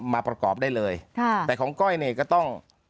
มาประกอบได้เลยค่ะแต่ของก้อยเนี่ยก็ต้อง